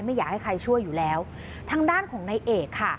ไม่อยากให้ใครช่วยอยู่แล้วทางด้านของนายเอกค่ะ